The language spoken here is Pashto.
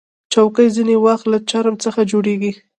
چوکۍ ځینې وخت له چرم څخه جوړیږي.